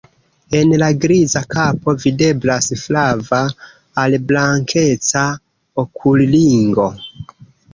En la griza kapo videblas flava al blankeca okulringo.